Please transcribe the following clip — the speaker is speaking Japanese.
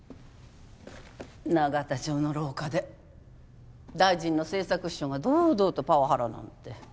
永田町の廊下で大臣の政策秘書が堂々とパワハラなんて。